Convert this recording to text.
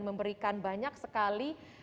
memberikan banyak sekali